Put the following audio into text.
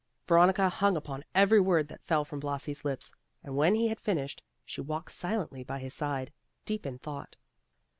Veronica hung upon every word that fell from Blasi's lips, and when he had finished, she walked silently by his side, deep in thought.